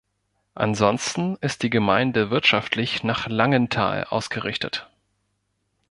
Ansonsten ist die Gemeinde wirtschaftlich nach Langenthal ausgerichtet.